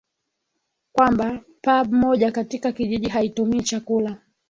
kwamba pub moja katika kijiji haitumii chakula